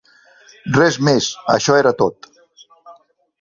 Res més, això era tot.